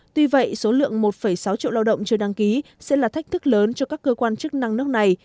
tuy vậy số lượng một sáu triệu lao động chưa đăng ký sẽ là thách thức lớn cho các cơ quan chức năng nước này